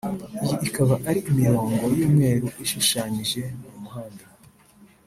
iyi ikaba ari imirongo y’umweru ishushanyije mu muhanda